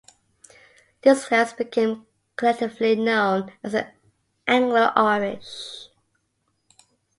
This class became collectively known as the Anglo-Irish.